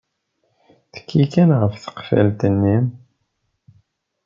Tekki kan ɣef tqeffalt-nni.